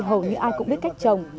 hầu như ai cũng biết cách trồng